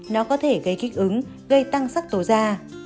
nó có thể gây kích ứng gây tăng sắc tố da